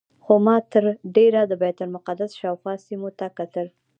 خو ما تر ډېره د بیت المقدس شاوخوا سیمو ته کتل.